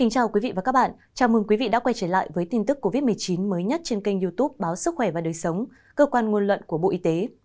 chào mừng quý vị đã quay trở lại với tin tức covid một mươi chín mới nhất trên kênh youtube báo sức khỏe và đời sống cơ quan nguồn luận của bộ y tế